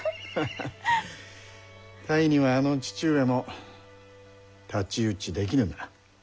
泰にはあの父上も太刀打ちできぬな。